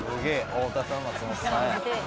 太田さん松本さんや。